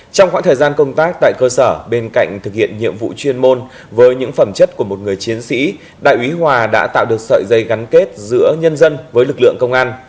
trong khoảng thời gian công tác tại cơ sở bên cạnh thực hiện nhiệm vụ chuyên môn với những phẩm chất của một người chiến sĩ đại úy hòa đã tạo được sợi dây gắn kết giữa nhân dân với lực lượng công an